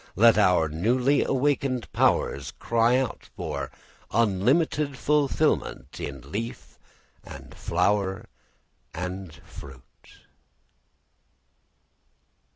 Let our newly awakened powers cry out for unlimited fulfilment in leaf and flower and fruit.